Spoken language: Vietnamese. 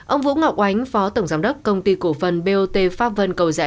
ông vũ ngọc ánh phó tổng giám đốc công ty cổ phần bot pháp vân cầu rẽ